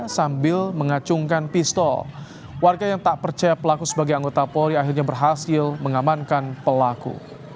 sambil mengacungkan pistol warga yang tak percaya pelaku sebagai anggota polri akhirnya berhasil mengamankan pelaku